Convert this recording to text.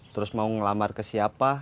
terus mau ngelamar ke siapa